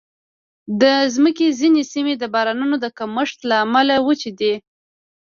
د مځکې ځینې سیمې د بارانونو د کمښت له امله وچې دي.